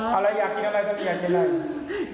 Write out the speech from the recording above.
เอาละอยากกินอะไรก็อยากกินอะไร